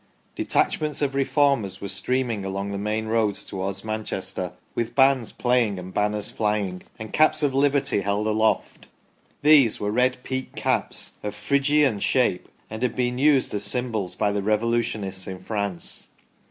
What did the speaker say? Detachments of Reformers were streaming along the main roads towards Manchester, with bands playing and banners flying, and caps of liberty held aloft. These were red peaked caps, of Phrygian shape, and had been used as symbols by the Revolutionists in France.